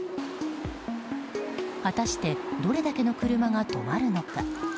果たしてどれだけの車が止まるのか。